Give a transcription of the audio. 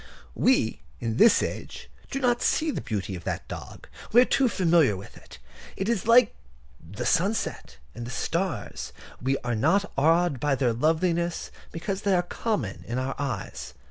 We, in this age, do not see the beauty of that dog. We are too familiar with it. It is like the sunset and the stars: we are not awed by their loveliness because they are common to our eyes.